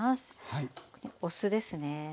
お酢ですね